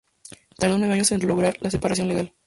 Tardó nueve años en lograr la separación legal.